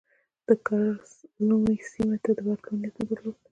د کرز نومي سیمې ته د ورتلو نیت مو درلود.